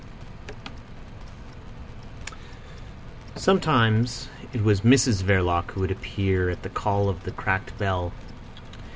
Sometimes it was Mrs Verloc who would appear at the call of the cracked bell.